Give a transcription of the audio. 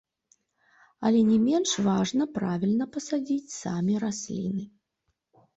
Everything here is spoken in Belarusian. Але не менш важна правільна пасадзіць самі расліны.